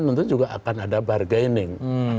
tentu juga akan ada bargaining